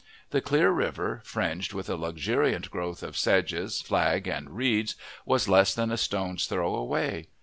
The clear river, fringed with a luxuriant growth of sedges, flag, and reeds, was less than a stone's throw away.